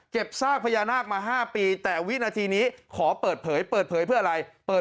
ซากพญานาคมา๕ปีแต่วินาทีนี้ขอเปิดเผยเปิดเผยเพื่ออะไรเปิด